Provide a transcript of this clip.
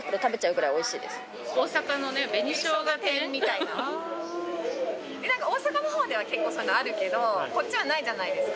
なんか大阪の方では結構そういうのあるけどこっちはないじゃないですか。